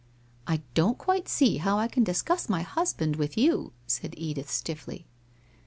'I don't quite see how I can discuss my husband with vou,' said Edith stiffly.